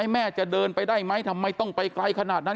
แม่จะเดินไปได้ไหมทำไมต้องไปไกลขนาดนั้น